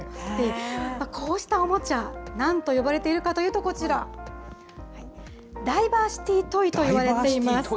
こうしたおもちゃ、なんと呼ばれているかというと、こちら、ダイバーシティトイといわれています。